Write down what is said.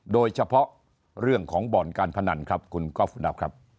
โดยเฉพาะเรื่องของบ่อนการพนันครับคุณก๊อฟคุณดาวครับ